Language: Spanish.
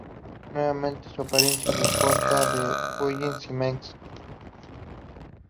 Nuevamente se aprecia la impronta de Bayeu y Mengs.